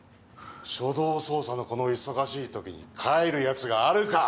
初動捜査のこの忙しいときに帰るやつがあるか！